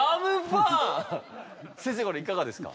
先生これいかがですか？